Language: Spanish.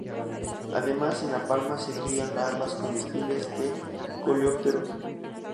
Además en la palma se crían larvas comestibles de coleópteros.